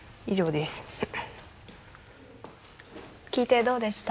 聞いてどうでした？